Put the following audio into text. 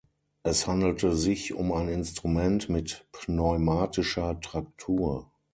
Es handelte sich um ein Instrument mit pneumatischer Traktur.